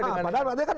padahal katanya kan